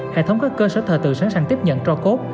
hệ thống các cơ sở thờ tự sẵn sàng tiếp nhận cho cốt